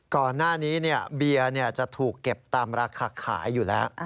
ก่อนหน้านี้เบียร์จะถูกเก็บตามราคาขายอยู่แล้ว